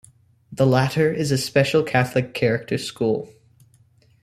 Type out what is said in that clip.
The latter is a special Catholic character school.